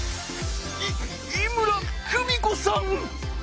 いっ井村久美子さん！